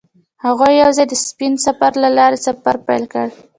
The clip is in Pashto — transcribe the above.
هغوی یوځای د سپین سفر له لارې سفر پیل کړ.